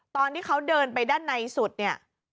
ตอนที่เขาเดินไปด้านในสุดเนี่ย